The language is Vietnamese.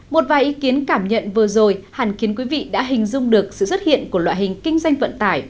một vài ý kiến cảm nhận vừa rồi hàn kiến quý vị đã hình dung được sự xuất hiện của loại hình kinh doanh vận tải